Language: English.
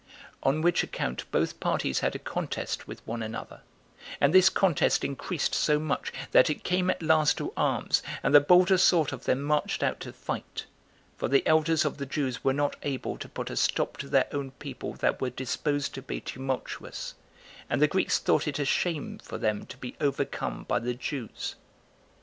On which account both parties had a contest with one another; and this contest increased so much, that it came at last to arms, and the bolder sort of them marched out to fight; for the elders of the Jews were not able to put a stop to their own people that were disposed to be tumultuous, and the Greeks thought it a shame for them to be overcome by the Jews.